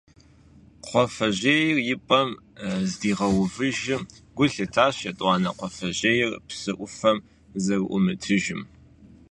Кхъуафэжьейр и пӀэм здигъэувыжым, гу лъитащ етӀуанэ кхъуафэжьейр псы Ӏуфэм зэрыӀумытыжым.